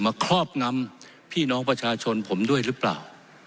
ครอบงำพี่น้องประชาชนผมด้วยหรือเปล่า